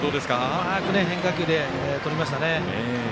うまく変化球でとりましたね。